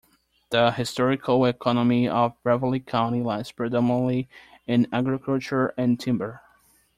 The historical economy of Ravalli County lies predominantly in agriculture and timber.